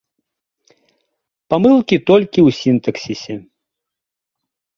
Памылкі толькі ў сінтаксісе.